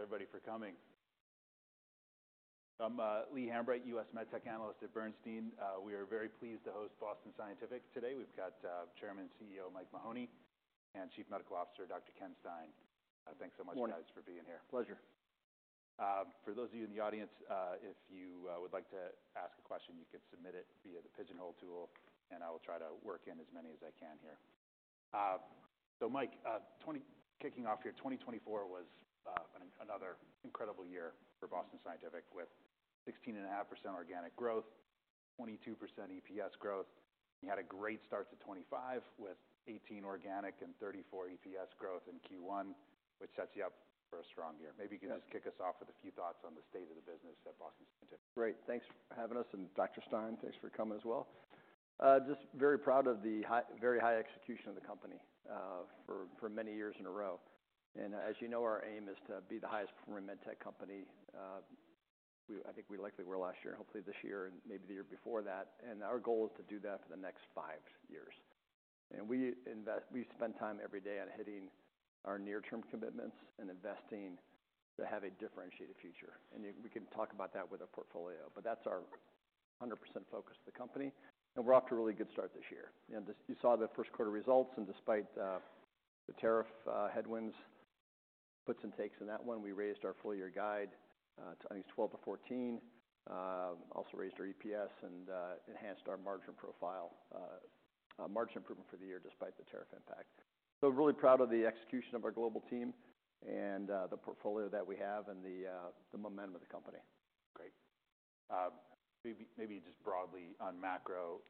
Thanks, everybody, for coming. I'm Lee Hambright, U.S. MedTech analyst at Bernstein. We are very pleased to host Boston Scientific today. We've got Chairman and CEO Mike Mahoney and Chief Medical Officer Dr. Ken Stein. Thanks so much, guys, for being here. Pleasure. For those of you in the audience, if you would like to ask a question, you can submit it via the Pigeonhole tool, and I will try to work in as many as I can here. So Mike, 2024 was another incredible year for Boston Scientific with 16.5% organic growth, 22% EPS growth. You had a great start to 2025 with 18% organic and 34% EPS growth in Q1, which sets you up for a strong year. Maybe you can just kick us off with a few thoughts on the state of the business at Boston Scientific. Great. Thanks for having us, and Dr. Stein, thanks for coming as well. Just very proud of the high, very high execution of the company for many years in a row. As you know, our aim is to be the highest-performing MedTech company. We, I think we likely were last year, hopefully this year, and maybe the year before that. Our goal is to do that for the next five years. We invest, we spend time every day on hitting our near-term commitments and investing to have a differentiated future. You know, we can talk about that with our portfolio, but that's our 100% focus of the company. We're off to a really good start this year. You know, just you saw the first quarter results, and despite the tariff headwinds, puts and takes in that one, we raised our full-year guide to at least 12-14. Also raised our EPS and enhanced our margin profile, margin improvement for the year despite the tariff impact. Really proud of the execution of our global team and the portfolio that we have and the momentum of the company. Great. Maybe, maybe just broadly on macro,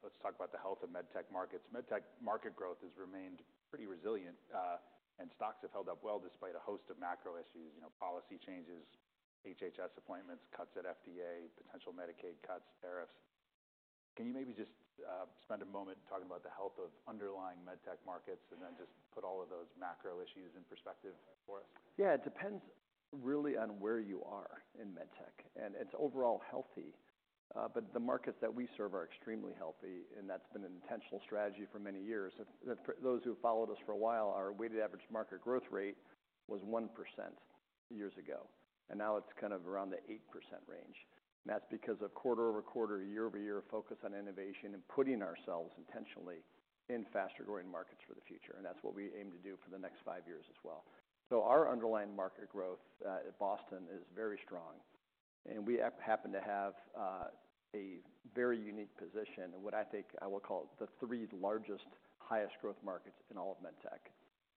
let's talk about the health of MedTech markets. MedTech market growth has remained pretty resilient, and stocks have held up well despite a host of macro issues, you know, policy changes, HHS appointments, cuts at FDA, potential Medicaid cuts, tariffs. Can you maybe just spend a moment talking about the health of underlying MedTech markets and then just put all of those macro issues in perspective for us? Yeah. It depends really on where you are in MedTech, and it's overall healthy. The markets that we serve are extremely healthy, and that's been an intentional strategy for many years. Those who have followed us for a while, our weighted average market growth rate was 1% years ago, and now it's kind of around the 8% range. That's because of quarter-over-quarter, year-over-year focus on innovation and putting ourselves intentionally in faster-growing markets for the future. That's what we aim to do for the next five years as well. Our underlying market growth, at Boston Scientific, is very strong, and we happen to have a very unique position in what I think I will call the three largest, highest-growth markets in all of MedTech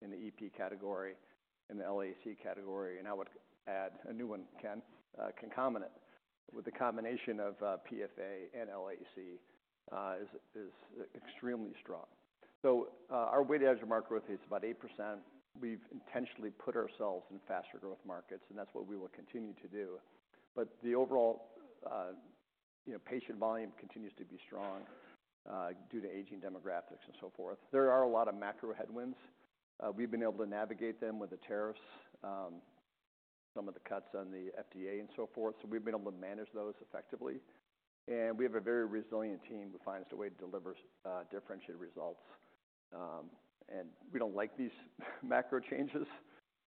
in the EP category, in the LAAC category. I would add a new one, Ken, concomitant with the combination of PFA and LAAC, is extremely strong. Our weighted average market growth is about 8%. We've intentionally put ourselves in faster-growth markets, and that's what we will continue to do. The overall, you know, patient volume continues to be strong, due to aging demographics and so forth. There are a lot of macro headwinds. We've been able to navigate them with the tariffs, some of the cuts on the FDA and so forth. We've been able to manage those effectively. We have a very resilient team who finds a way to deliver differentiated results. We don't like these macro changes,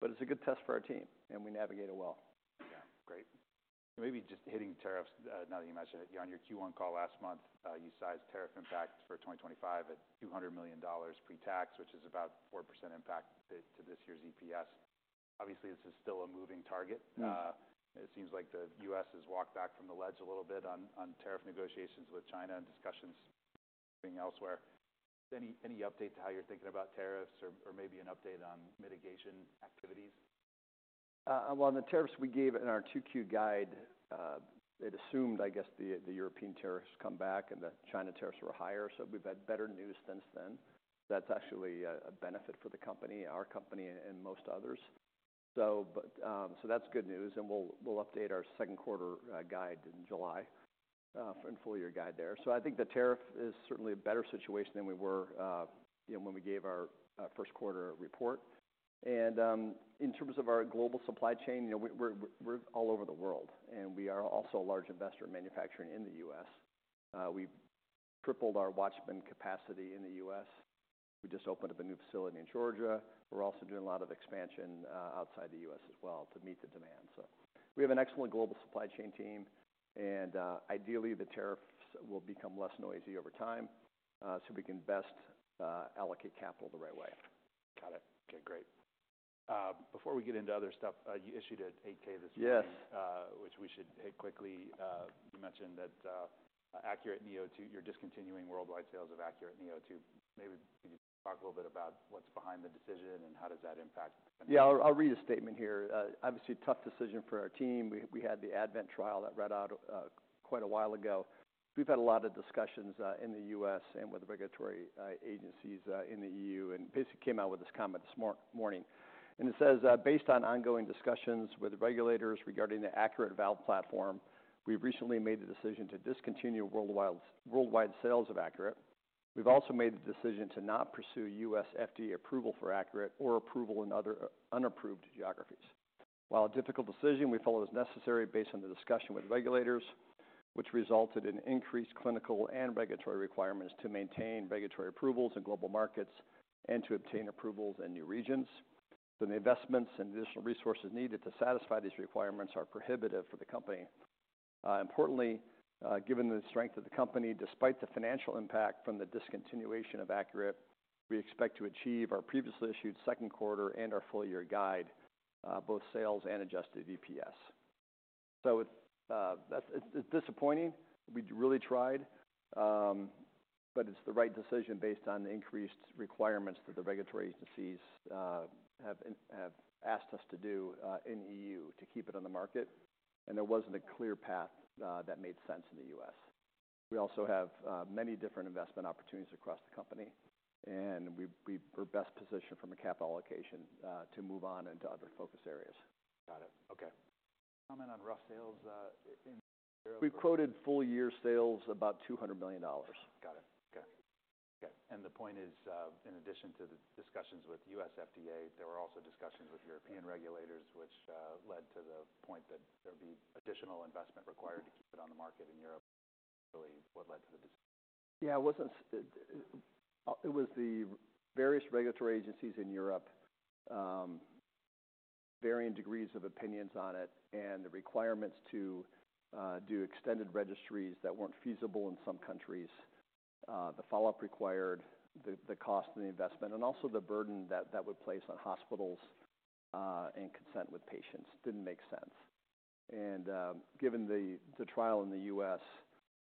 but it's a good test for our team, and we navigate it well. Yeah. Great. Maybe just hitting tariffs, now that you mention it, you're on your Q1 call last month, you sized tariff impact for 2025 at $200 million pre-tax, which is about 4% impact to this year's EPS. Obviously, this is still a moving target. It seems like the U.S. has walked back from the ledge a little bit on tariff negotiations with China and discussions being elsewhere. Any update to how you're thinking about tariffs or maybe an update on mitigation activities? On the tariffs, we gave in our two-queue guide, it assumed, I guess, the European tariffs come back and the China tariffs were higher. We've had better news since then. That's actually a benefit for the company, our company, and most others. That's good news, and we'll update our second quarter guide in July, and full-year guide there. I think the tariff is certainly a better situation than we were, you know, when we gave our first quarter report. In terms of our global supply chain, you know, we're all over the world, and we are also a large investor in manufacturing in the U.S. We've tripled our Watchman capacity in the U.S. We just opened up a new facility in Georgia. We're also doing a lot of expansion outside the U.S. as well to meet the demand. We have an excellent global supply chain team, and, ideally, the tariffs will become less noisy over time, so we can best allocate capital the right way. Got it. Okay. Great. Before we get into other stuff, you issued an 8,000 this week. Yes. which we should hit quickly. You mentioned that, ACURATE neo2, you're discontinuing worldwide sales of ACURATE neo2. Maybe could you talk a little bit about what's behind the decision and how does that impact? Yeah. I'll, I'll read a statement here. Obviously, tough decision for our team. We had the ADVENT trial that read out quite a while ago. We've had a lot of discussions in the U.S. and with regulatory agencies in the EU, and basically came out with this comment this morning. It says, based on ongoing discussions with regulators regarding the ACURATE valve platform, we've recently made the decision to discontinue worldwide, worldwide sales of ACURATE. We've also made the decision to not pursue U.S. FDA approval for ACURATE or approval in other unapproved geographies. While a difficult decision, we felt it was necessary based on the discussion with regulators, which resulted in increased clinical and regulatory requirements to maintain regulatory approvals in global markets and to obtain approvals in new regions. The investments and additional resources needed to satisfy these requirements are prohibitive for the company. Importantly, given the strength of the company, despite the financial impact from the discontinuation of ACURATE neo2, we expect to achieve our previously issued second quarter and our full-year guide, both sales and adjusted EPS. It is disappointing. We really tried, but it is the right decision based on the increased requirements that the regulatory agencies have asked us to do in EU to keep it on the market. There was not a clear path that made sense in the U.S. We also have many different investment opportunities across the company, and we were best positioned from a capital allocation to move on into other focus areas. Got it. Okay. Comment on rough sales, in Europe? We've quoted full-year sales about $200 million. Got it. Okay. Okay. The point is, in addition to the discussions with U.S. FDA, there were also discussions with European regulators, which led to the point that there'd be additional investment required to keep it on the market in Europe. Really, what led to the decision? Yeah. It wasn't, it was the various regulatory agencies in Europe, varying degrees of opinions on it and the requirements to do extended registries that weren't feasible in some countries, the follow-up required, the cost of the investment, and also the burden that that would place on hospitals, and consent with patients didn't make sense. Given the trial in the U.S.,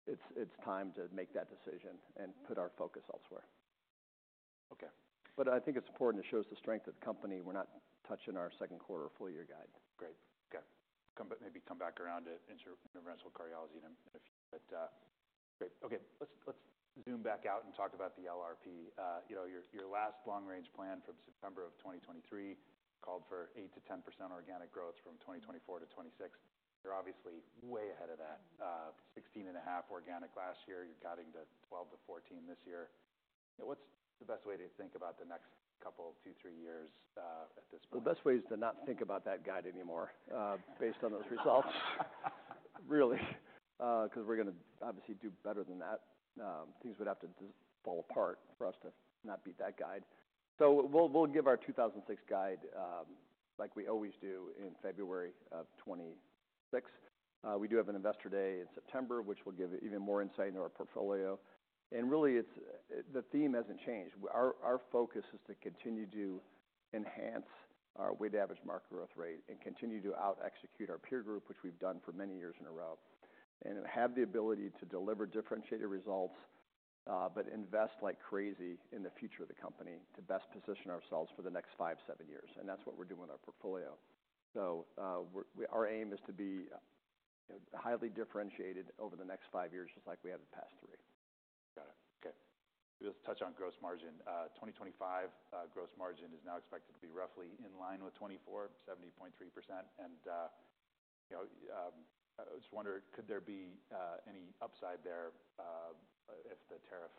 it's time to make that decision and put our focus elsewhere. Okay. I think it's important to show us the strength of the company. We're not touching our second quarter full-year guide. Great. Okay. Come back, maybe come back around to interventional cardiology in a few. Great. Okay. Let's zoom back out and talk about the LRP. You know, your last long-range plan from September of 2023 called for 8%-10% organic growth from 2024-2026. You're obviously way ahead of that. 16.5% organic last year. You're cutting to 12%-14% this year. What's the best way to think about the next couple, two, three years, at this point? The best way is to not think about that guide anymore, based on those results, really, because we're going to obviously do better than that. Things would have to just fall apart for us to not beat that guide. We'll give our 2026 guide, like we always do in February of 2026. We do have an investor day in September, which will give even more insight into our portfolio. The theme hasn't changed. Our focus is to continue to enhance our weighted average market growth rate and continue to out-execute our peer group, which we've done for many years in a row, and have the ability to deliver differentiated results, but invest like crazy in the future of the company to best position ourselves for the next five, seven years. That's what we're doing with our portfolio. We're, our aim is to be highly differentiated over the next five years, just like we have the past three. Got it. Okay. We just touched on gross margin. 2025, gross margin is now expected to be roughly in line with 2024, 70.3%. And, you know, I just wonder, could there be any upside there, if the tariff?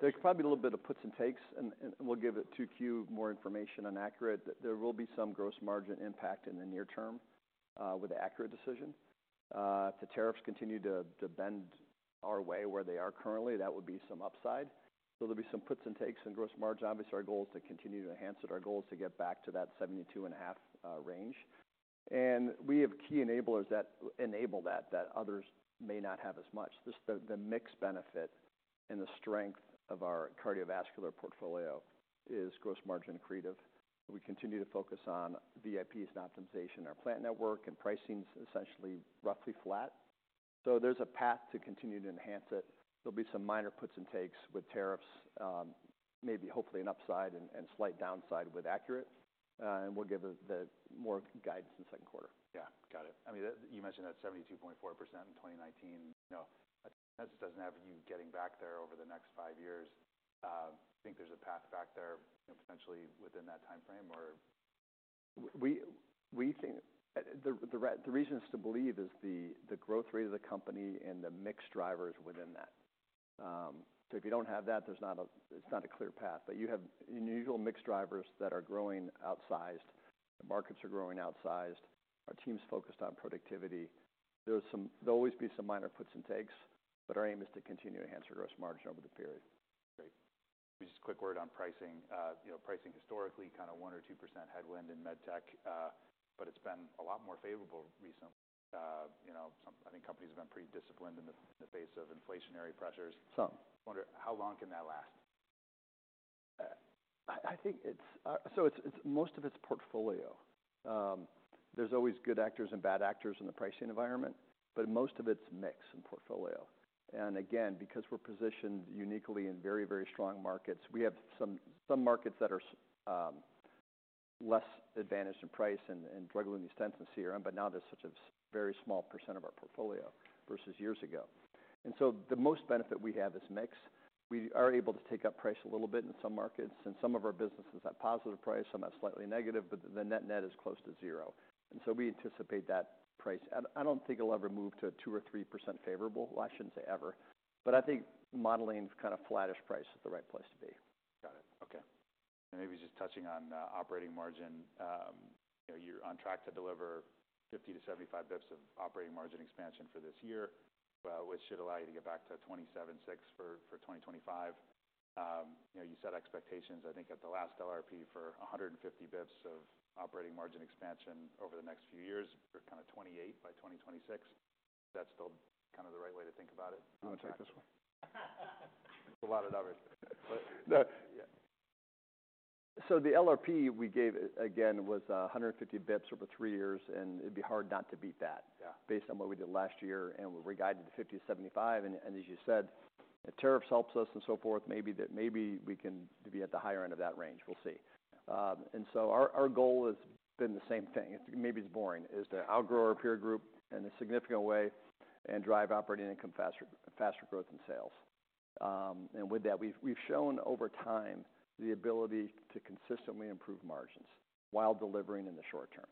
There's probably a little bit of puts and takes, and we'll give the 2Q more information on ACURATE. There will be some gross margin impact in the near term, with the ACURATE decision. If the tariffs continue to bend our way where they are currently, that would be some upside. There'll be some puts and takes in gross margin. Obviously, our goal is to continue to enhance it. Our goal is to get back to that 72.5% range. And we have key enablers that enable that, that others may not have as much. Just the mixed benefit and the strength of our cardiovascular portfolio is gross margin accretive. We continue to focus on VIPs and optimization in our plant network, and pricing's essentially roughly flat. There's a path to continue to enhance it. There'll be some minor puts and takes with tariffs, maybe hopefully an upside and slight downside with ACURATE. We'll give the more guidance in the second quarter. Yeah. Got it. I mean, you mentioned that 72.4% in 2019. You know, that doesn't have you getting back there over the next five years. Do you think there's a path back there, you know, potentially within that timeframe or? We think the reason is to believe is the growth rate of the company and the mixed drivers within that. If you don't have that, it's not a clear path. You have unusual mixed drivers that are growing outsized. The markets are growing outsized. Our team's focused on productivity. There will always be some minor puts and takes, but our aim is to continue to enhance our gross margin over the period. Great. Just a quick word on pricing. You know, pricing historically kind of 1% or 2% headwind in MedTech, but it's been a lot more favorable recently. You know, some, I think, companies have been pretty disciplined in the, in the face of inflationary pressures. Some. Wonder how long can that last? I think it's, so it's most of its portfolio. There's always good actors and bad actors in the pricing environment, but most of it's mixed in portfolio. Again, because we're positioned uniquely in very, very strong markets, we have some markets that are less advantaged in price and juggling these tenants in CRM, but now there's such a very small percent of our portfolio versus years ago. The most benefit we have is mix. We are able to take up price a little bit in some markets, and some of our businesses have positive price, some have slightly negative, but the net-net is close to zero. We anticipate that price. I don't think it'll ever move to 2% or 3% favorable. I shouldn't say ever, but I think modeling kind of flattish price is the right place to be. Got it. Okay. And maybe just touching on operating margin, you know, you're on track to deliver 50-75 basis points of operating margin expansion for this year, which should allow you to get back to 27.6 for 2025. You know, you set expectations, I think, at the last LRP for 150 basis points of operating margin expansion over the next few years. You're kind of 28 by 2026. Is that still kind of the right way to think about it? I'm going to take this one. There's a lot of others. Yeah. So the LRP we gave again was 150 basis points over three years, and it'd be hard not to beat that. Yeah. Based on what we did last year, and we are guided to 50-75. As you said, if tariffs help us and so forth, maybe we can be at the higher end of that range. We will see. Our goal has been the same thing. Maybe it is boring, to outgrow our peer group in a significant way and drive operating income faster, faster growth in sales. With that, we have shown over time the ability to consistently improve margins while delivering in the shortterm.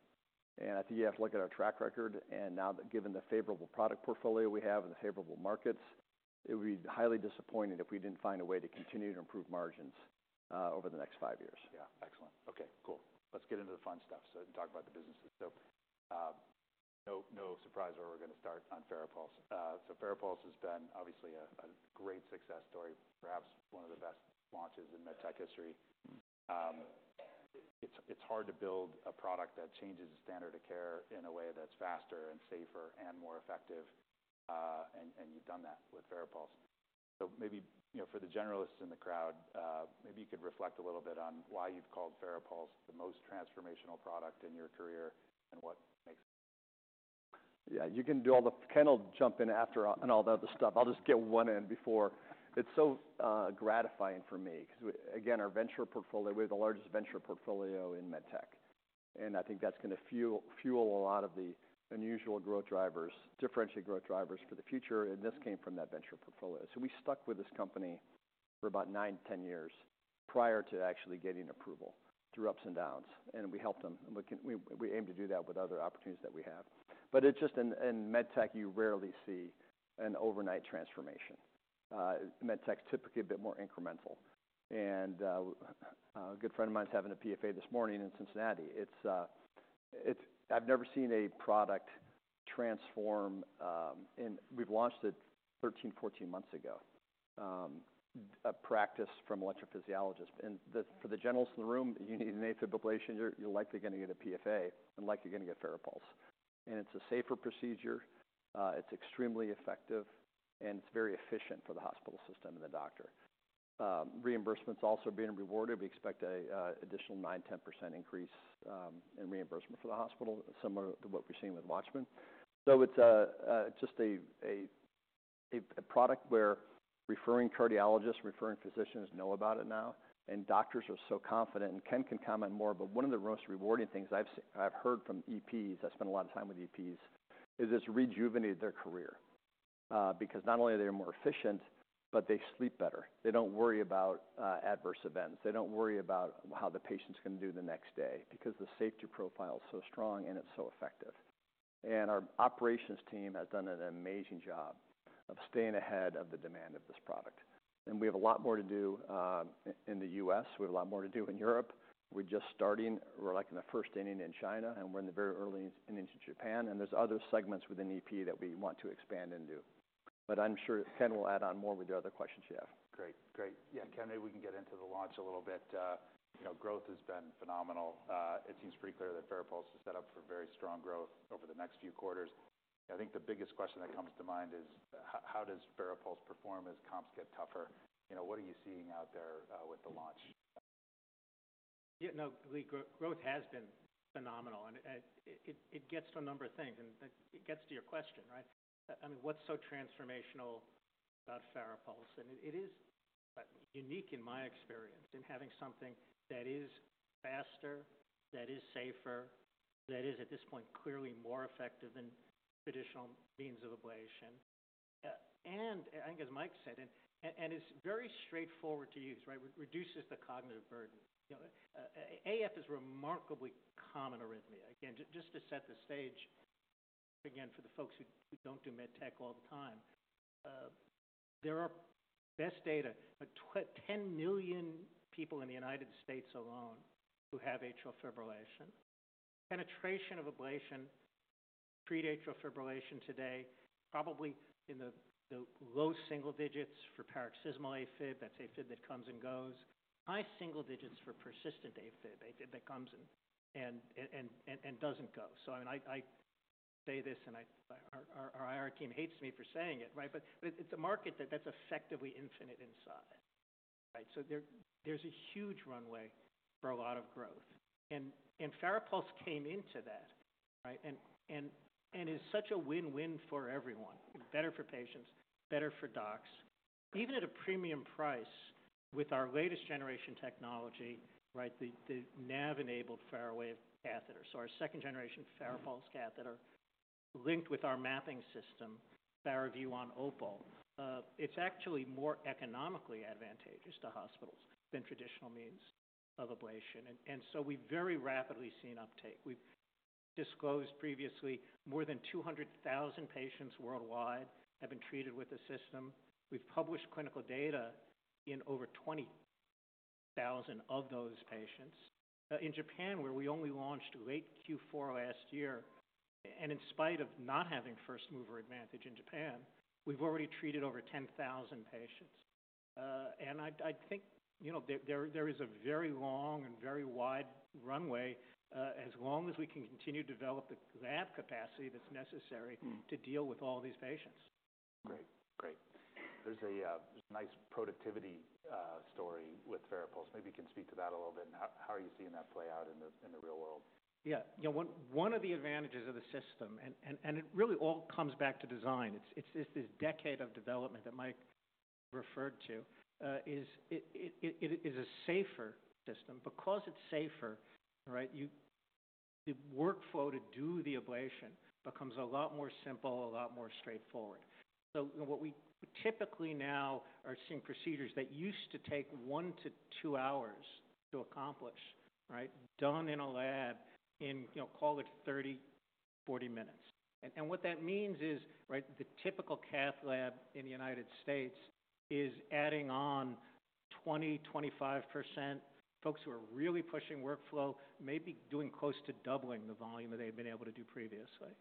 I think you have to look at our track record. Now that, given the favorable product portfolio we have and the favorable markets, it would be highly disappointing if we did not find a way to continue to improve margins over the next five years. Yeah. Excellent. Okay. Cool. Let's get into the fun stuff, talk about the businesses. No surprise where we're going to start on Farapulse. Farapulse has been obviously a great success story, perhaps one of the best launches in MedTech history. It's hard to build a product that changes the standard of care in a way that's faster and safer and more effective. You've done that with Farapulse. Maybe, you know, for the generalists in the crowd, you could reflect a little bit on why you've called Farapulse the most transformational product in your career and what makes it? Yeah. You can do all the, I'll jump in after on all the other stuff. I'll just get one in before. It's so gratifying for me because we, again, our venture portfolio, we have the largest venture portfolio in MedTech. And I think that's going to fuel, fuel a lot of the unusual growth drivers, differentiate growth drivers for the future. And this came from that venture portfolio. So we stuck with this company for about 9, 10 years prior to actually getting approval through ups and downs. And we helped them. And we can, we aim to do that with other opportunities that we have. It's just in, in MedTech, you rarely see an overnight transformation. MedTech's typically a bit more incremental. A good friend of mine's having a PFA this morning in Cincinnati. It's, I've never seen a product transform, in we've launched it 13-14 months ago, a practice from electrophysiologists. And for the generals in the room, you need an AFib ablation, you're likely going to get a PFA and likely going to get Farapulse. And it's a safer procedure. It's extremely effective, and it's very efficient for the hospital system and the doctor. Reimbursement's also being rewarded. We expect an additional 9%-10% increase in reimbursement for the hospital, similar to what we've seen with Watchman. It's just a product where referring cardiologists, referring physicians know about it now. And doctors are so confident and can comment more. One of the most rewarding things I've seen, I've heard from EPs, I spent a lot of time with EPs, is it's rejuvenated their career, because not only are they more efficient, but they sleep better. They don't worry about adverse events. They don't worry about how the patient's going to do the next day because the safety profile's so strong and it's so effective. Our operations team has done an amazing job of staying ahead of the demand of this product. We have a lot more to do in the U.S. We have a lot more to do in Europe. We're just starting. We're like in the first inning in China, and we're in the very early innings in Japan. There are other segments within EP that we want to expand into. I'm sure Ken will add on more with the other questions you have. Great. Great. Yeah. Kenny, we can get into the launch a little bit. You know, growth has been phenomenal. It seems pretty clear that Farapulse is set up for very strong growth over the next few quarters. I think the biggest question that comes to mind is, how does Farapulse perform as comps get tougher? You know, what are you seeing out there, with the launch? Yeah. No, the growth has been phenomenal. And it gets to a number of things. That gets to your question, right? I mean, what's so transformational about Farapulse? It is unique in my experience in having something that is faster, that is safer, that is at this point clearly more effective than traditional means of ablation. I think, as Mike said, it's very straightforward to use, right? Reduces the cognitive burden. You know, AF is a remarkably common arrhythmia. Again, just to set the stage again for the folks who don't do MedTech all the time, there are best data, but 10 million people in the United States alone who have atrial fibrillation. Penetration of ablation to treat atrial fibrillation today, probably in the low single-digits for paroxysmal AFib. That's AFib that comes and goes. High single-digits for persistent AFib, AFib that comes and doesn't go. I mean, I say this and our IR team hates me for saying it, right? It's a market that's effectively infinite in size, right? There is a huge runway for a lot of growth. Farapulse came into that, and it's such a win-win for everyone, better for patients, better for docs, even at a premium price with our latest generation technology, the NAV-enabled Faraway catheter. Our second generation Farapulse catheter linked with our mapping system, Faraview on Opal, is actually more economically advantageous to hospitals than traditional means of ablation. We have very rapidly seen uptake. We've disclosed previously more than 200,000 patients worldwide have been treated with the system. We've published clinical data in over 20,000 of those patients. In Japan, where we only launched late Q4 last year, and in spite of not having first mover advantage in Japan, we've already treated over 10,000 patients. I think, you know, there is a very long and very wide runway, as long as we can continue to develop the app capacity that's necessary to deal with all these patients. Great. Great. There's a nice productivity story with Farapulse. Maybe you can speak to that a little bit. How are you seeing that play out in the real world? Yeah. You know, one of the advantages of the system, and it really all comes back to design. It's this decade of development that Mike referred to, is it is a safer system because it's safer, right? You, the workflow to do the ablation becomes a lot more simple, a lot more straightforward. You know, what we typically now are seeing, procedures that used to take one to two hours to accomplish, done in a lab in, you know, call it 30-40 minutes. What that means is, right, the typical cath lab in the United States is adding on 20-25% folks who are really pushing workflow, maybe doing close to doubling the volume that they've been able to do previously.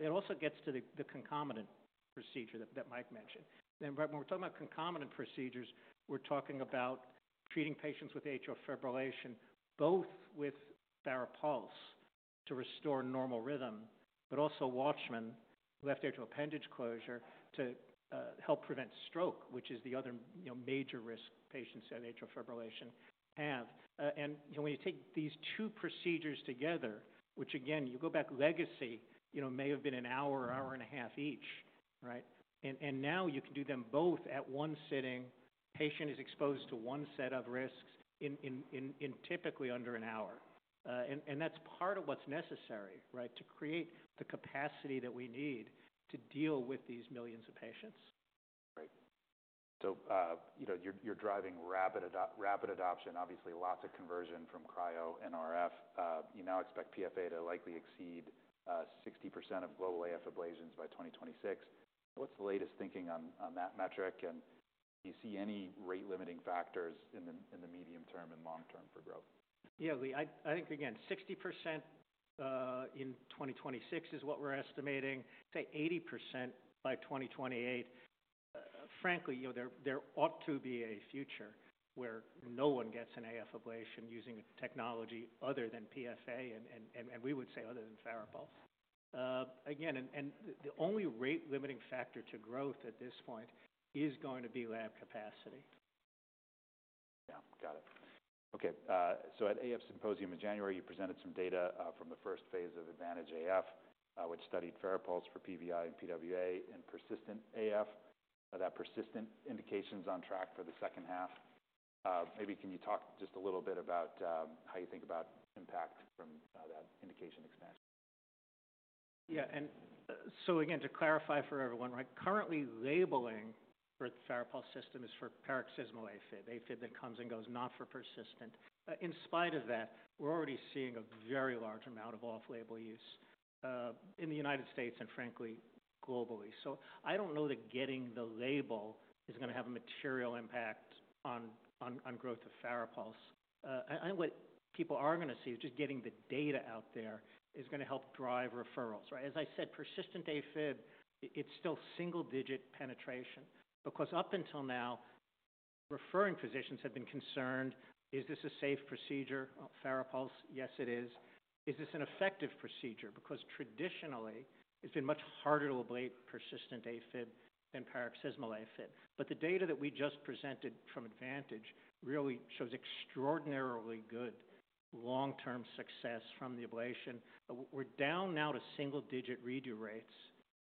It also gets to the concomitant procedure that Mike mentioned. When we're talking about concomitant procedures, we're talking about treating patients with atrial fibrillation, both with Farapulse to restore normal rhythm, but also Watchman, left atrial appendage closure to help prevent stroke, which is the other, you know, major risk patients with atrial fibrillation have. You know, when you take these two procedures together, which again, you go back legacy, you know, may have been an hour, hour and a half each, right? Now you can do them both at one sitting. Patient is exposed to one set of risks, typically under an hour. That's part of what's necessary, right, to create the capacity that we need to deal with these millions of patients. Great. You know, you're driving rapid adoption, obviously lots of conversion from cryo and RF. You now expect PFA to likely exceed 60% of global AF ablations by 2026. What's the latest thinking on that metric? Do you see any rate limiting factors in the medium-term and long-term for growth? Yeah, Lee, I think again, 60% in 2026 is what we're estimating. Say 80% by 2028. Frankly, you know, there ought to be a future where no one gets an AF ablation using technology other than PFA and we would say other than Farapulse. Again, the only rate limiting factor to growth at this point is going to be lab capacity. Yeah. Got it. Okay. So at AF Symposium in January, you presented some data from the first phase of Advantage AF, which studied Farapulse for PVI and PWA and persistent AF. That persistent indication's on track for the second half. Maybe can you talk just a little bit about how you think about impact from that indication expansion? Yeah. To clarify for everyone, right, currently labeling for the Farapulse system is for paroxysmal AFib, AFib that comes and goes, not for persistent. In spite of that, we're already seeing a very large amount of off-label use in the United States and frankly globally. I don't know that getting the label is going to have a material impact on growth of Farapulse. I think what people are going to see is just getting the data out there is going to help drive referrals, right? As I said, persistent AFib, it's still single-digit penetration because up until now, referring physicians have been concerned, is this a safe procedure? Farapulse, yes, it is. Is this an effective procedure? Because traditionally, it's been much harder to ablate persistent AFib than paroxysmal AFib. The data that we just presented from Advantage really shows extraordinarily good long-term success from the ablation. We're down now to single-digit redo rates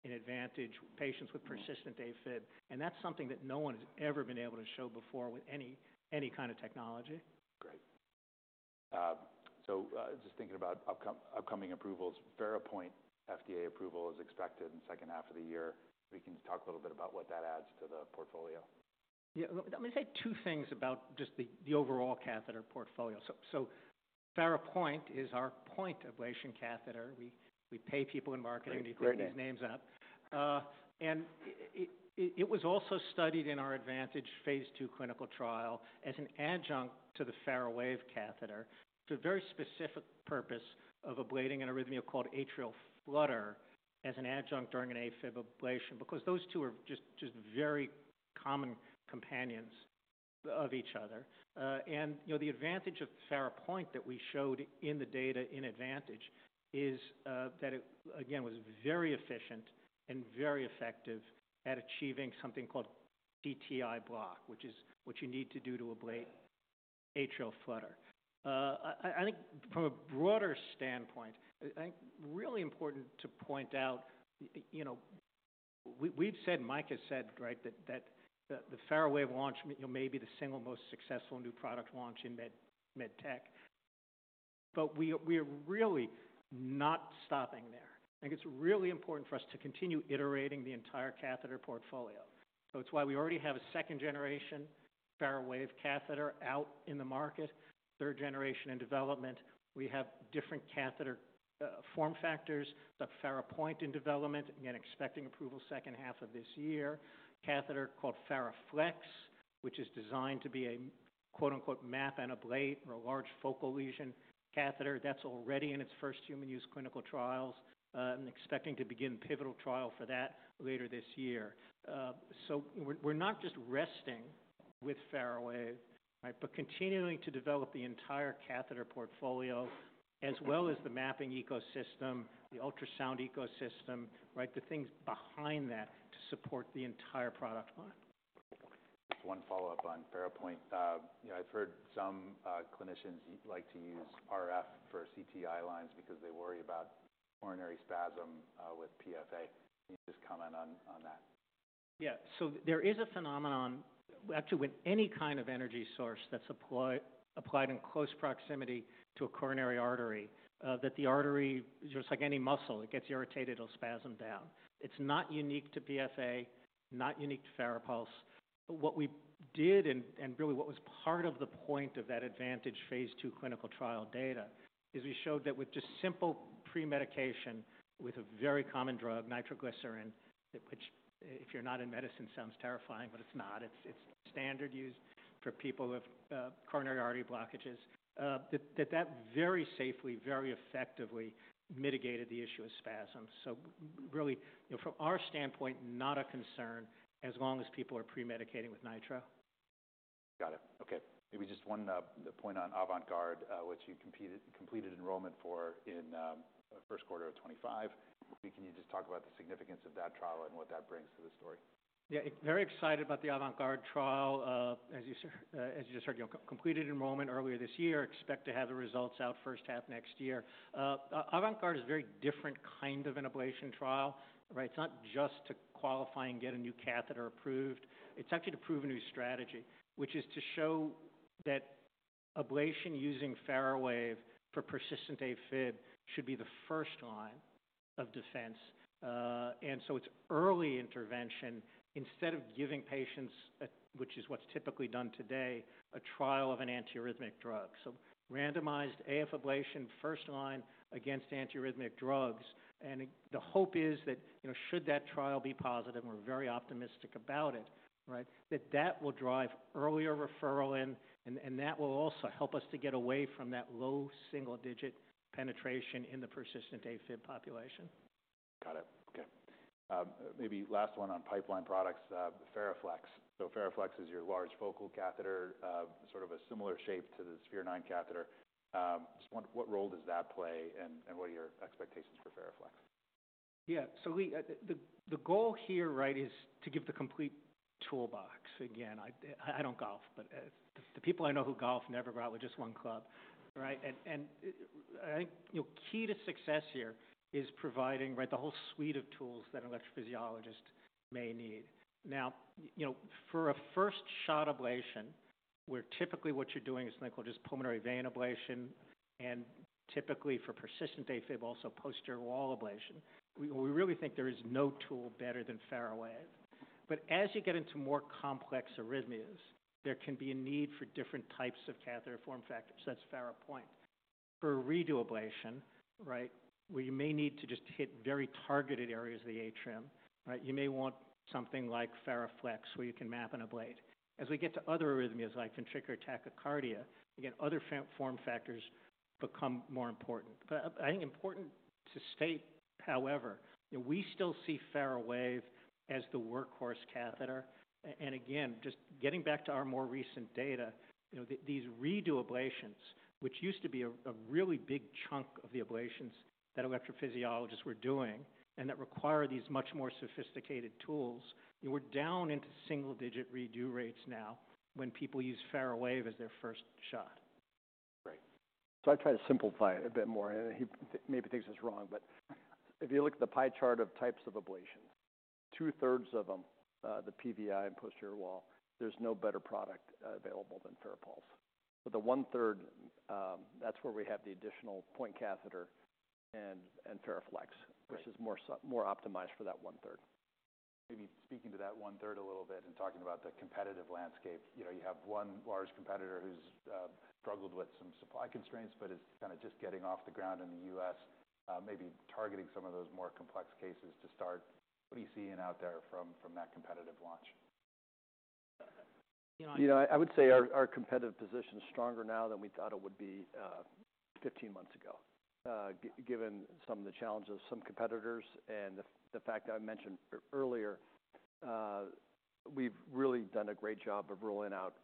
in Advantage patients with persistent AFib. That's something that no one has ever been able to show before with any, any kind of technology. Great. Just thinking about upcoming approvals, Farapulse FDA approval is expected in the second half of the year. We can talk a little bit about what that adds to the portfolio. Yeah. Let me say two things about just the overall catheter portfolio. Ferapulse is our point ablation catheter. We pay people in marketing to clean these names up. It was also studied in our Advantage phase II clinical trial as an adjunct to the Faraway catheter to a very specific purpose of ablating an arrhythmia called atrial flutter as an adjunct during an AFib ablation because those two are just very common companions of each other. You know, the advantage of Ferapulse that we showed in the data in Advantage is that it, again, was very efficient and very effective at achieving something called DTI block, which is what you need to do to ablate atrial flutter. I think from a broader standpoint, I think really important to point out, you know, we've said, Mike has said, right, that the Faraway launch, you know, may be the single most successful new product launch in MedTech. We are really not stopping there. I think it's really important for us to continue iterating the entire catheter portfolio. It is why we already have a second generation Faraway catheter out in the market, third generation in development. We have different catheter form factors. The Farapulse in development, again, expecting approval second half of this year. Catheter called Faraflex, which is designed to be a quote unquote map and ablate or a large focal lesion catheter, that's already in its first human use clinical trials, and expecting to begin pivotal trial for that later this year. We're not just resting with Faraway, right, but continuing to develop the entire catheter portfolio as well as the mapping ecosystem, the ultrasound ecosystem, right, the things behind that to support the entire product line. Just one follow up on Farapulse. You know, I've heard some clinicians like to use RF for CTI lines because they worry about coronary spasm with PFA. Can you just comment on that? Yeah. There is a phenomenon actually with any kind of energy source that's applied in close proximity to a coronary artery, that the artery, just like any muscle, it gets irritated, it'll spasm down. It's not unique to PFA, not unique to Farapulse. What we did and really what was part of the point of that Advantage phase II clinical trial data is we showed that with just simple pre-medication with a very common drug, nitroglycerin, which if you're not in medicine, sounds terrifying, but it's not. It's standard use for people who have coronary artery blockages, that very safely, very effectively mitigated the issue of spasm. Really, you know, from our standpoint, not a concern as long as people are pre-medicating with nitro. Got it. Okay. Maybe just one point on AvantGuard, which you completed enrollment for in first quarter of 2025. Can you just talk about the significance of that trial and what that brings to the story? Yeah. Very excited about the AvantGuard trial. As you said, as you just heard, you know, completed enrollment earlier this year, expect to have the results out first half next year. AvantGuard is a very different kind of an ablation trial, right? It's not just to qualify and get a new catheter approved. It's actually to prove a new strategy, which is to show that ablation using Faraway for persistent AFib should be the first line of defense. And so it's early intervention instead of giving patients, which is what's typically done today, a trial of an antiarrhythmic drug. So randomized AF ablation first line against antiarrhythmic drugs. The hope is that, you know, should that trial be positive, and we're very optimistic about it, right, that that will drive earlier referral in, and that will also help us to get away from that low single-digit penetration in the persistent AFib population. Got it. Okay. Maybe last one on pipeline products, Faraflex. So Faraflex is your large focal catheter, sort of a similar shape to the SpheroNine catheter. Just what role does that play and, and what are your expectations for Faraflex? Yeah. So Lee, the goal here, right, is to give the complete toolbox. Again, I don't golf, but the people I know who golf never got with just one club, right? I think, you know, key to success here is providing, right, the whole suite of tools that an electrophysiologist may need. Now, you know, for a first shot ablation, where typically what you're doing is something called just pulmonary vein ablation, and typically for persistent AFib, also posterior wall ablation, we really think there is no tool better than Faraway. As you get into more complex arrhythmias, there can be a need for different types of catheter form factors. That's Farapulse for redo ablation, right, where you may need to just hit very targeted areas of the atrium, right? You may want something like Faraflex where you can map and ablate. As we get to other arrhythmias like ventricular tachycardia, again, other form factors become more important. I think important to state, however, you know, we still see Faraway as the workhorse catheter. Again, just getting back to our more recent data, you know, these redo ablations, which used to be a really big chunk of the ablations that electrophysiologists were doing and that require these much more sophisticated tools, you know, we're down into single-digit redo rates now when people use Faraway as their first shot. Great. I try to simplify it a bit more, and he maybe thinks it's wrong, but if you look at the pie chart of types of ablations, two thirds of them, the PVI and posterior wall, there's no better product available than Farapulse. The one third, that's where we have the additional point catheter and Faraflex, which is more optimized for that one third. Maybe speaking to that one third a little bit and talking about the competitive landscape, you know, you have one large competitor who's struggled with some supply constraints, but is kind of just getting off the ground in the U.S., maybe targeting some of those more complex cases to start. What are you seeing out there from that competitive launch? You know, I would say our competitive position is stronger now than we thought it would be, 15 months ago, given some of the challenges of some competitors and the fact that I mentioned earlier, we've really done a great job of rolling out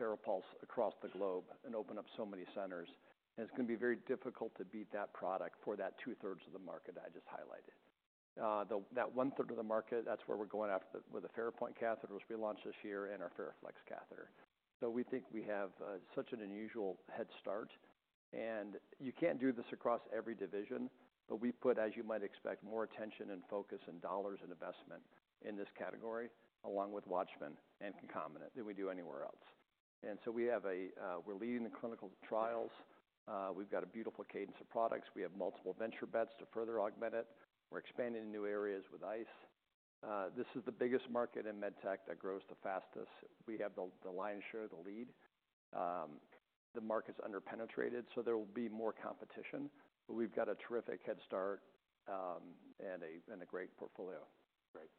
Farapulse across the globe and opened up so many centers. It's going to be very difficult to beat that product for that two thirds of the market I just highlighted. That one third of the market, that's where we're going after with the Farapulse catheters we launched this year and our Faraflex catheter. We think we have such an unusual head start. You can't do this across every division, but we've put, as you might expect, more attention and focus and dollars and investment in this category along with Watchman and Concomitant than we do anywhere else. We are leading the clinical trials. We've got a beautiful cadence of products. We have multiple venture bets to further augment it. We're expanding in new areas with ICE. This is the biggest market in MedTech that grows the fastest. We have the lion's share, the lead. The market's underpenetrated, so there will be more competition, but we've got a terrific head start and a great portfolio. Great.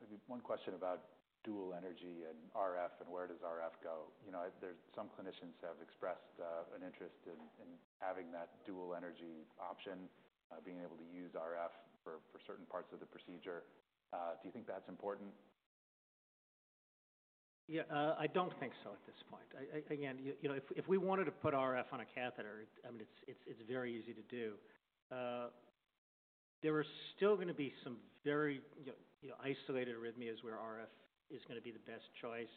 Maybe one question about dual energy and RF and where does RF go? You know, some clinicians have expressed an interest in having that dual energy option, being able to use RF for certain parts of the procedure. Do you think that's important? Yeah. I don't think so at this point. I, I, again, you know, if we wanted to put RF on a catheter, I mean, it's very easy to do. There are still going to be some very, you know, isolated arrhythmias where RF is going to be the best choice.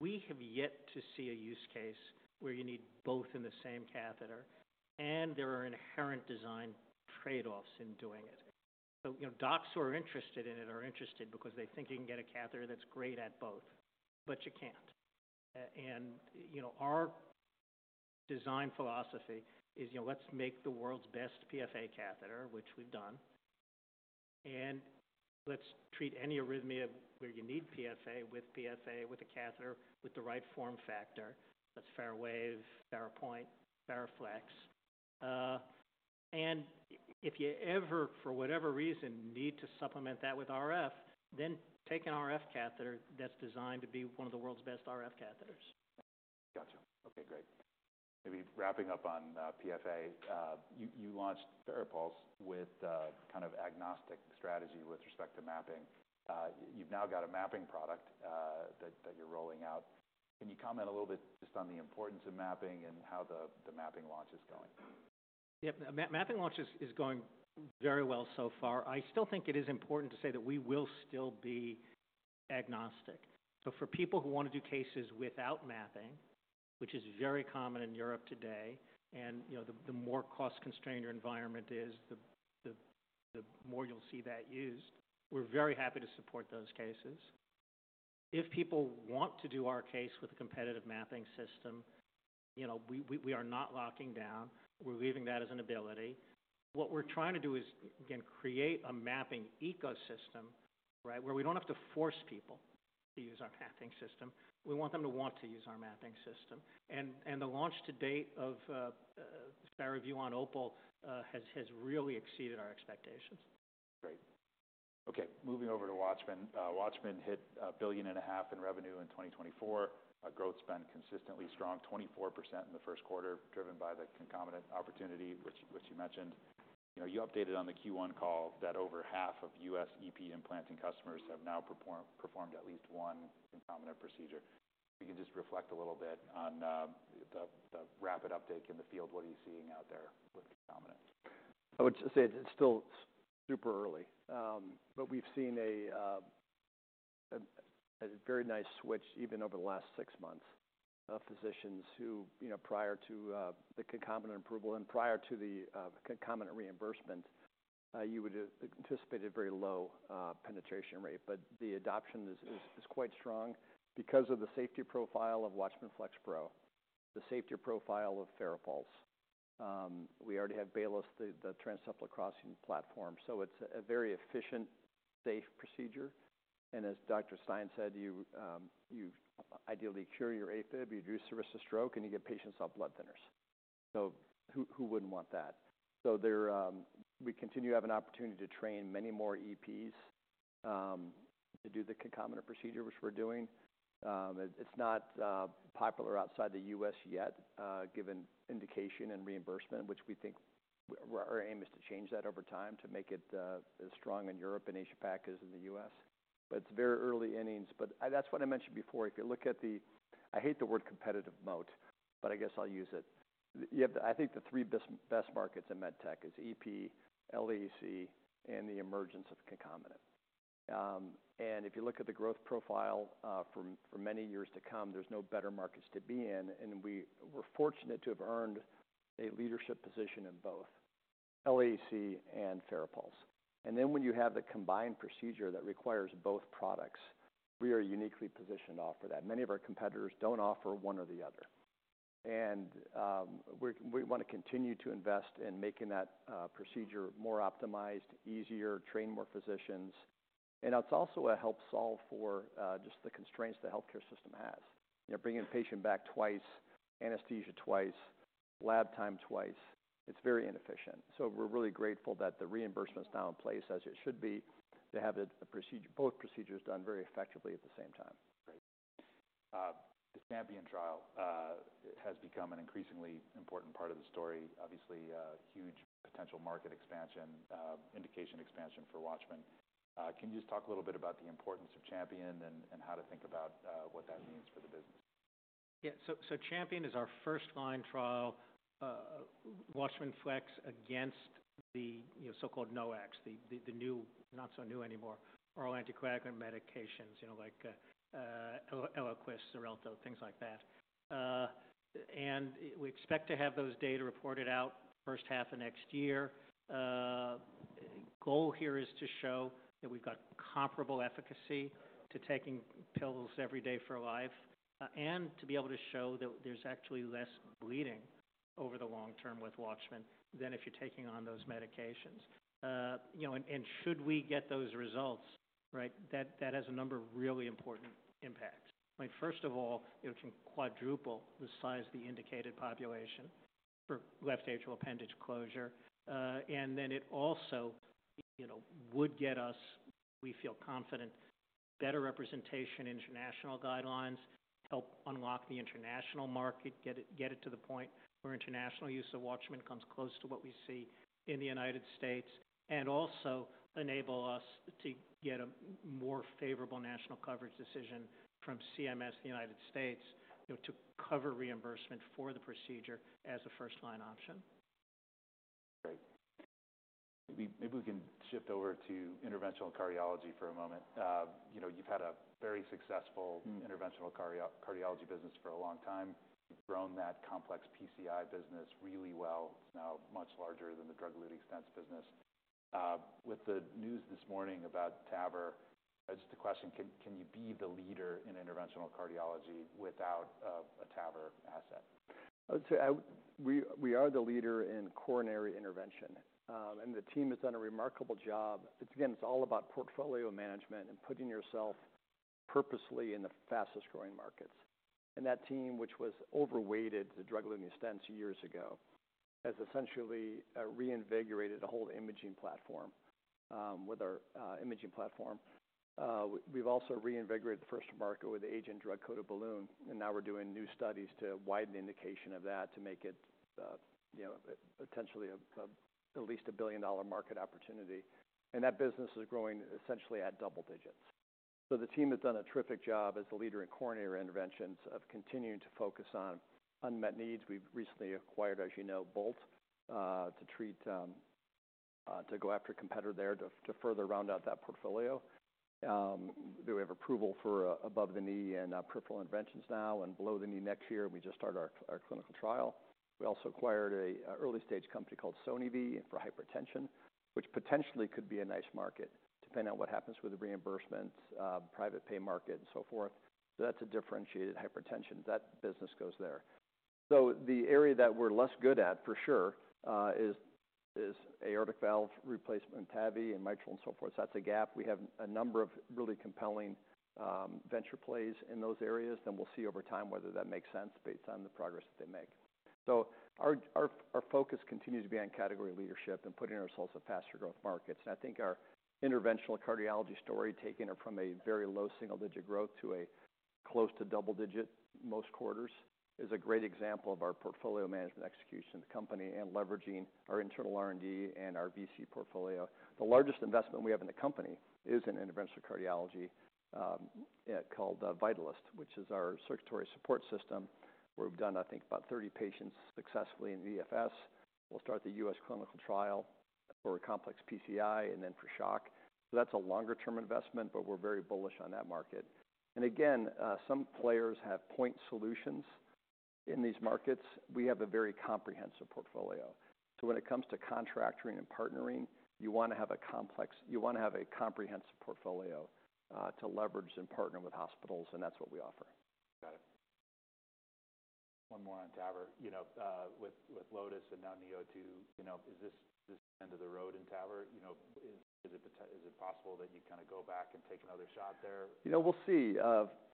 We have yet to see a use case where you need both in the same catheter, and there are inherent design trade-offs in doing it. You know, docs who are interested in it are interested because they think you can get a catheter that's great at both, but you can't. You know, our design philosophy is, you know, let's make the world's best PFA catheter, which we've done, and let's treat any arrhythmia where you need PFA with PFA with a catheter with the right form factor. That's Faraway, Farapulse, Faraflex. and if you ever, for whatever reason, need to supplement that with RF, then take an RF catheter that's designed to be one of the world's best RF catheters. Gotcha. Okay. Great. Maybe wrapping up on PFA, you launched Farapulse with kind of agnostic strategy with respect to mapping. You have now got a mapping product that you are rolling out. Can you comment a little bit just on the importance of mapping and how the mapping launch is going? Yep. The mapping launch is going very well so far. I still think it is important to say that we will still be agnostic. For people who want to do cases without mapping, which is very common in Europe today, and, you know, the more cost constrained your environment is, the more you'll see that used. We're very happy to support those cases. If people want to do our case with a competitive mapping system, you know, we are not locking down. We're leaving that as an ability. What we're trying to do is, again, create a mapping ecosystem, right, where we do not have to force people to use our mapping system. We want them to want to use our mapping system. The launch to date of Faraview on Opal has really exceeded our expectations. Great. Okay. Moving over to Watchman. Watchman hit $1.5 billion in revenue in 2024. Growth's been consistently strong, 24% in the first quarter, driven by the concomitant opportunity, which you mentioned. You know, you updated on the Q1 call that over half of U.S. EP implanting customers have now performed at least one concomitant procedure. If you can just reflect a little bit on the rapid uptake in the field, what are you seeing out there with concomitant? I would say it's still super early, but we've seen a very nice switch even over the last six months of physicians who, you know, prior to the concomitant approval and prior to the concomitant reimbursement, you would have anticipated very low penetration rate. The adoption is quite strong because of the safety profile of Watchman Flex Pro, the safety profile of Farapulse. We already have Baylis, the transseptal crossing platform. It is a very efficient, safe procedure. As Dr. Stein said, you ideally cure your AFib, you reduce the risk of stroke, and you give patients off blood thinners. Who wouldn't want that? We continue to have an opportunity to train many more EPs to do the concomitant procedure, which we're doing. It's not popular outside the U.S. yet, given indication and reimbursement, which we think our aim is to change that over time to make it as strong in Europe and Asia Pac as in the U.S. It is very early innings. That is what I mentioned before. If you look at the, I hate the word competitive moat, but I guess I'll use it. You have the, I think the three best markets in MedTech are EP, LAAC, and the emergence of concomitant. If you look at the growth profile for many years to come, there are no better markets to be in. We were fortunate to have earned a leadership position in both LAAC and Farapulse. When you have the combined procedure that requires both products, we are uniquely positioned to offer that. Many of our competitors do not offer one or the other. We want to continue to invest in making that procedure more optimized, easier, train more physicians. It also helps solve for just the constraints the healthcare system has. You know, bringing a patient back twice, anesthesia twice, lab time twice, it's very inefficient. We are really grateful that the reimbursement is now in place as it should be to have the procedure, both procedures done very effectively at the same time. Great. The Champion trial has become an increasingly important part of the story. Obviously, huge potential market expansion, indication expansion for Watchman. Can you just talk a little bit about the importance of Champion and how to think about what that means for the business? Yeah. So Champion is our first line trial, Watchman Flex against the, you know, so-called NOACs, the, the new, not so new anymore, oral anticoagulant medications, you know, like, Eliquis, Xarelto, things like that. And we expect to have those data reported out first half of next year. The goal here is to show that we've got comparable efficacy to taking pills every day for a life, and to be able to show that there's actually less bleeding over the long-term with Watchman than if you're taking on those medications. You know, and, and should we get those results, right, that, that has a number of really important impacts. I mean, first of all, it can quadruple the size of the indicated population for left atrial appendage closure. and then it also, you know, would get us, we feel confident, better representation in international guidelines, help unlock the international market, get it, get it to the point where international use of Watchman comes close to what we see in the United States, and also enable us to get a more favorable national coverage decision from CMS, the United States, you know, to cover reimbursement for the procedure as a first line option. Great. Maybe, maybe we can shift over to interventional cardiology for a moment. You know, you've had a very successful interventional cardiology business for a long time. You've grown that complex PCI business really well. It's now much larger than the drug-eluting stents business. With the news this morning about TAVR, just a question. Can you be the leader in interventional cardiology without a TAVR asset? I would say I, we are the leader in coronary intervention. The team has done a remarkable job. It's, again, it's all about portfolio management and putting yourself purposely in the fastest growing markets. That team, which was overweighted to drug-eluting stents years ago, has essentially reinvigorated a whole imaging platform with our imaging platform. We've also reinvigorated the first market with the Agent drug-coated balloon. Now we're doing new studies to widen the indication of that to make it, you know, potentially at least a billion dollar market opportunity. That business is growing essentially at double digits. The team has done a terrific job as the leader in coronary interventions of continuing to focus on unmet needs. We've recently acquired, as you know, Bolt, to treat, to go after a competitor there to further round out that portfolio. We have approval for above the knee and peripheral interventions now and below the knee next year. We just started our clinical trial. We also acquired an early stage company called Sonovy for hypertension, which potentially could be a nice market depending on what happens with the reimbursements, private pay market and so forth. That is a differentiated hypertension. That business goes there. The area that we are less good at for sure is aortic valve replacement, TAVR, and mitral and so forth. That is a gap. We have a number of really compelling venture plays in those areas that we will see over time whether that makes sense based on the progress that they make. Our focus continues to be on category leadership and putting ourselves at faster growth markets. I think our interventional cardiology story, taking it from a very low single-digit growth to close to double digit most quarters, is a great example of our portfolio management execution of the company and leveraging our internal R&D and our VC portfolio. The largest investment we have in the company is in interventional cardiology, called Vitalist, which is our circulatory support system where we've done about 30 patients successfully in VFS. We'll start the U.S. clinical trial for complex PCI and then for shock. That's a longer term investment, but we're very bullish on that market. Again, some players have point solutions in these markets. We have a very comprehensive portfolio. When it comes to contracting and partnering, you want to have a comprehensive portfolio to leverage and partner with hospitals, and that's what we offer. Got it. One more on TAVR. You know, with Lotus and now Neo2, you know, is this the end of the road in TAVR? You know, is it possible that you kind of go back and take another shot there? You know, we'll see.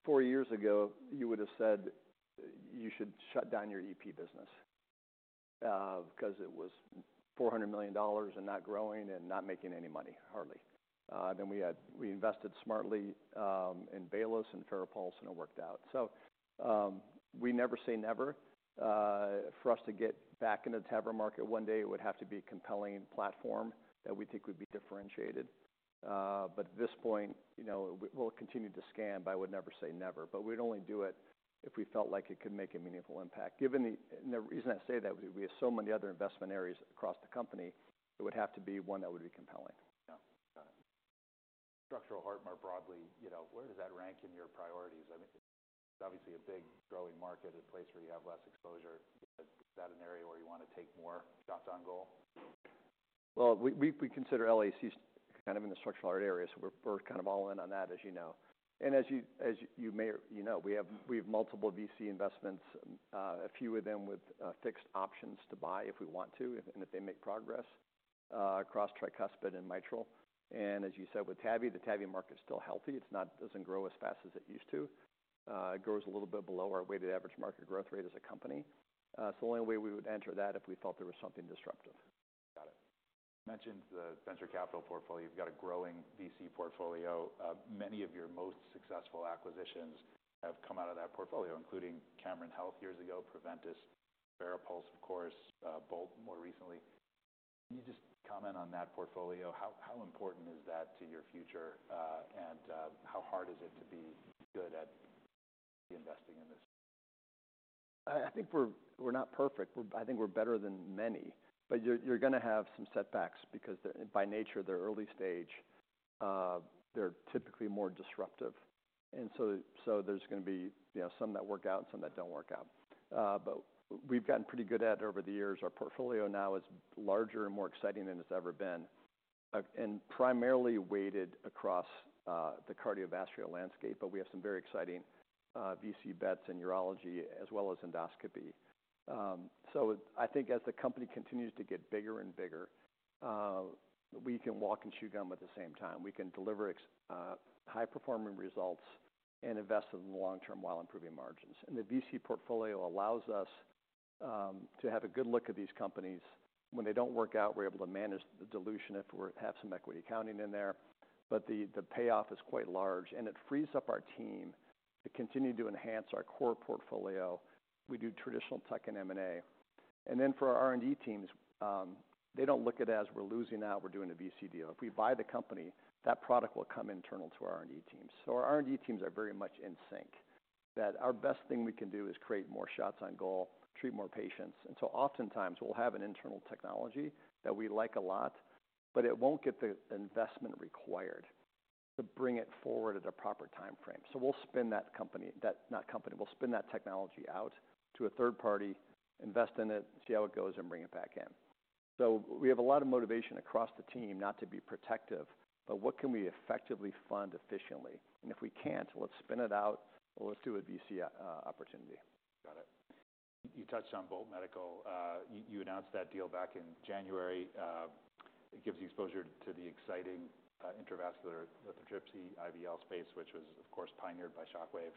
Four years ago, you would have said you should shut down your EP business, because it was $400 million and not growing and not making any money, hardly. Then we had, we invested smartly, in Baylis and Farapulse, and it worked out. You never say never. For us to get back into the TAVR market one day, it would have to be a compelling platform that we think would be differentiated. At this point, you know, we'll continue to scan, but I would never say never. We'd only do it if we felt like it could make a meaningful impact. Given the, and the reason I say that would be, we have so many other investment areas across the company. It would have to be one that would be compelling. Yeah. Got it. Structural heart more broadly, you know, where does that rank in your priorities? I mean, it's obviously a big growing market, a place where you have less exposure. Is that an area where you want to take more shots on goal? We consider LAACs kind of in the structural heart area. We're kind of all in on that, as you know. And as you may, you know, we have multiple VC investments, a few of them with fixed options to buy if we want to, if they make progress, across tricuspid and mitral. As you said with TAVR, the TAVR market's still healthy. It doesn't grow as fast as it used to. It grows a little bit below our weighted average market growth rate as a company. The only way we would enter that is if we felt there was something disruptive. Got it. You mentioned the venture capital portfolio. You've got a growing VC portfolio. Many of your most successful acquisitions have come out of that portfolio, including Cameron Health years ago, Preventis, Farapulse, of course, Bolt more recently. Can you just comment on that portfolio? How important is that to your future, and how hard is it to be good at investing in this? I think we're not perfect. We're, I think we're better than many. You're going to have some setbacks because they're, by nature, they're early stage. They're typically more disruptive. There's going to be, you know, some that work out and some that don't work out. We've gotten pretty good at it over the years. Our portfolio now is larger and more exciting than it's ever been, and primarily weighted across the cardiovascular landscape. We have some very exciting VC bets in urology as well as endoscopy. I think as the company continues to get bigger and bigger, we can walk and chew gum at the same time. We can deliver high performing results and invest in the long-term while improving margins. The VC portfolio allows us to have a good look at these companies. When they don't work out, we're able to manage the dilution if we have some equity accounting in there. The payoff is quite large, and it frees up our team to continue to enhance our core portfolio. We do traditional tech and M&A. For our R&D teams, they don't look at it as we're losing out, we're doing a VC deal. If we buy the company, that product will come internal to our R&D teams. Our R&D teams are very much in sync that our best thing we can do is create more shots on goal, treat more patients. Oftentimes we'll have an internal technology that we like a lot, but it won't get the investment required to bring it forward at a proper time frame. We'll spin that technology out to a third party, invest in it, see how it goes, and bring it back in. We have a lot of motivation across the team not to be protective, but what can we effectively fund efficiently? If we can't, let's spin it out or let's do a VC opportunity. Got it. You touched on Bolt Medical. You announced that deal back in January. It gives you exposure to the exciting intravascular lithotripsy IVL space, which was, of course, pioneered by ShockWave.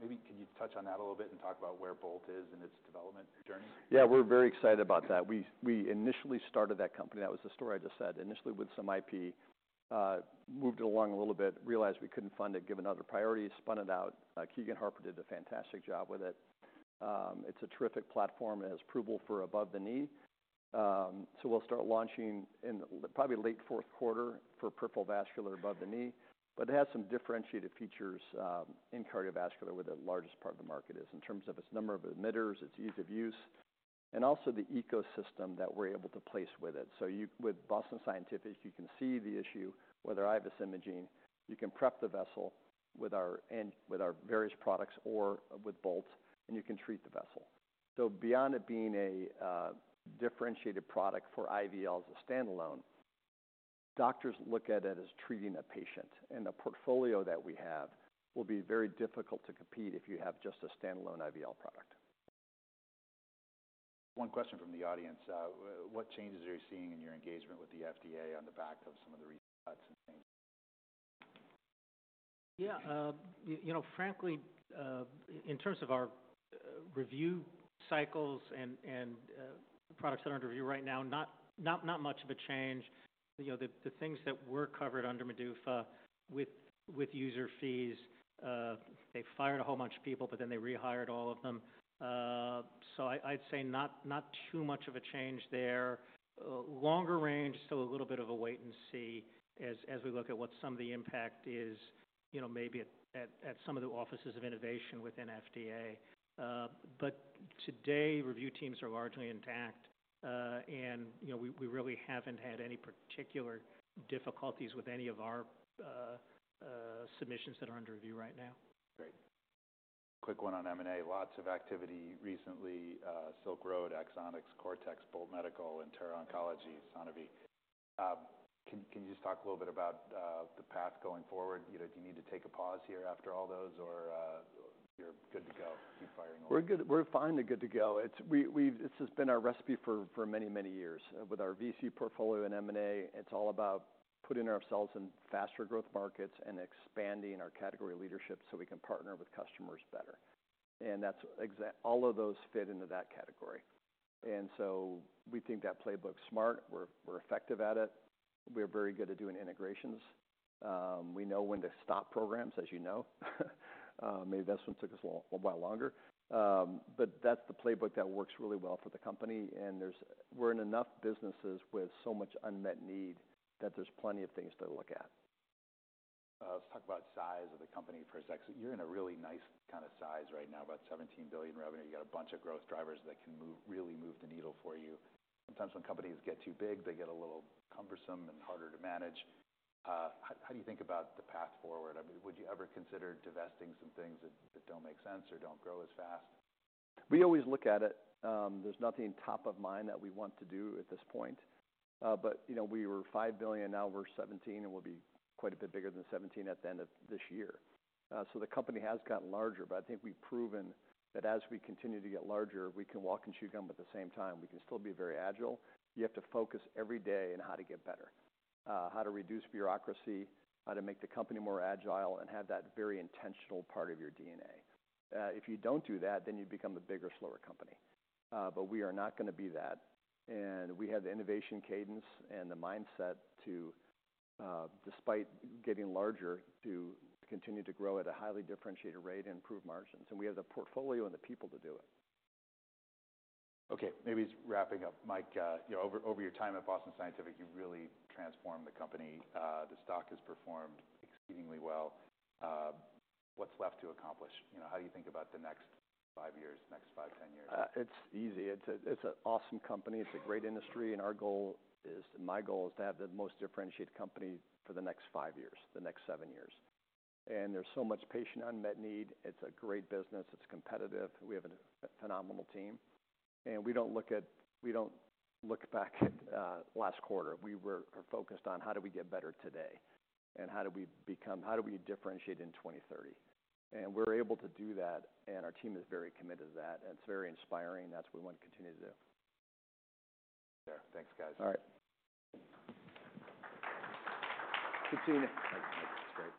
Maybe can you touch on that a little bit and talk about where Bolt is in its development journey? Yeah. We're very excited about that. We initially started that company. That was the story I just said. Initially with some IP, moved it along a little bit, realized we couldn't fund it, given other priorities, spun it out. Keegan Harper did a fantastic job with it. It's a terrific platform. It has approval for above the knee. We will start launching in probably late fourth quarter for peripheral vascular above the knee. It has some differentiated features, in cardiovascular where the largest part of the market is in terms of its number of emitters, its ease of use, and also the ecosystem that we're able to place with it. With Boston Scientific, you can see the issue with our IVUS imaging. You can prep the vessel with our various products or with Bolt, and you can treat the vessel. Beyond it being a differentiated product for IVL as a standalone, doctors look at it as treating a patient. The portfolio that we have will be very difficult to compete if you have just a standalone IVL product. One question from the audience. What changes are you seeing in your engagement with the FDA on the back of some of the recent cuts and things? Yeah. You know, frankly, in terms of our review cycles and products that are under review right now, not much of a change. You know, the things that were covered under MDUFA with user fees, they fired a whole bunch of people, but then they rehired all of them. So I’d say not too much of a change there. Longer range, still a little bit of a wait and see as we look at what some of the impact is, you know, maybe at some of the offices of innovation within FDA. But today review teams are largely intact, and, you know, we really haven’t had any particular difficulties with any of our submissions that are under review right now. Great. Quick one on M&A. Lots of activity recently, Silk Road, Axonix, Cortex, Bolt Medical, Intera Oncology, Sonovy. Can you just talk a little bit about the path going forward? You know, do you need to take a pause here after all those or you're good to go, keep firing away? We're good. We're fine and good to go. It's, we, we've, this has been our recipe for many, many years. With our VC portfolio and M&A, it's all about putting ourselves in faster growth markets and expanding our category leadership so we can partner with customers better. And that's exactly, all of those fit into that category. We think that playbook's smart. We're effective at it. We're very good at doing integrations. We know when to stop programs, as you know. Maybe this one took us a little while longer. That's the playbook that works really well for the company. We're in enough businesses with so much unmet need that there's plenty of things to look at. Let's talk about size of the company for a sec. So you're in a really nice kind of size right now, about $17 billion revenue. You got a bunch of growth drivers that can move, really move the needle for you. Sometimes when companies get too big, they get a little cumbersome and harder to manage. How, how do you think about the path forward? I mean, would you ever consider divesting some things that, that don't make sense or don't grow as fast? We always look at it. There's nothing top of mind that we want to do at this point. But, you know, we were $5 billion. Now we're $17 billion, and we'll be quite a bit bigger than $17 billion at the end of this year. So the company has gotten larger, but I think we've proven that as we continue to get larger, we can walk and chew gum at the same time. We can still be very agile. You have to focus every day on how to get better, how to reduce bureaucracy, how to make the company more agile, and have that very intentional part of your DNA. If you don't do that, then you become a bigger, slower company. But we are not going to be that. We have the innovation cadence and the mindset to, despite getting larger, continue to grow at a highly differentiated rate and improve margins. We have the portfolio and the people to do it. Okay. Maybe just wrapping up, Mike, you know, over your time at Boston Scientific, you've really transformed the company. The stock has performed exceedingly well. What's left to accomplish? You know, how do you think about the next five years, next 5, 10 years? It's easy. It's an awesome company. It's a great industry. Our goal is, my goal is to have the most differentiated company for the next five years, the next seven years. There is so much patient unmet need. It's a great business. It's competitive. We have a phenomenal team. We do not look back at last quarter. We are focused on how do we get better today and how do we become, how do we differentiate in 2030. We are able to do that. Our team is very committed to that. It's very inspiring. That is what we want to continue to do. Yeah. Thanks, guys. All right. Good to see you.